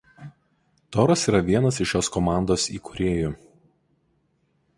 Toras yra vienas iš šios komandos įkūrėjų.